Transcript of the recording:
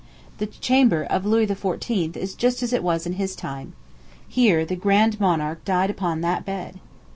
The chamber of Louis XIV. is just as it was in his time. Here the grand monarch died upon that bed.